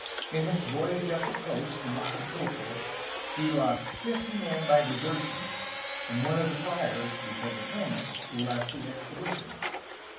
In his voyage up the coast from Acapulco he lost fifty men by desertion, and one of the friars (because of illness) left the expedition.